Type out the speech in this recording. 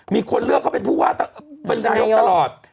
มีคนเลือกเขาเป็นุยที่มือตลอด